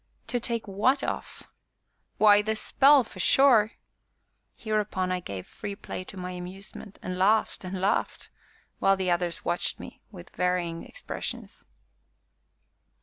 "To take what off?" "Why, the spell, for sure." Hereupon I gave free play to my amusement, and laughed, and laughed, while the others watched me with varying expressions.